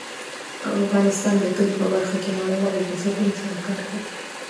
افغانستان د کلي په برخه کې نړیوالو بنسټونو سره کار کوي.